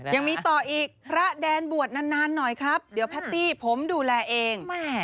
ยังมีต่ออีกพระแดนบวชนานหน่อยครับเดี๋ยวแพตตี้ผมดูแลเอง